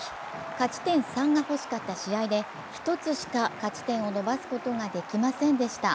勝ち点３が欲しかった試合で１つしか勝ち点を伸ばすことができませんでした。